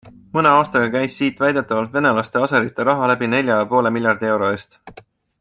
Mõne aastaga käis siit väidetavalt venelaste ja aserite raha läbi nelja ja poole miljardi euro eest.